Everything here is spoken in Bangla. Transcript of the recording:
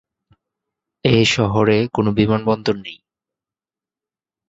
এ শহরে কোন বিমানবন্দর নেই।